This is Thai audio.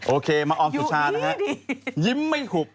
โอเคมาออมสุชานะฮะยิ้มไม่หุบ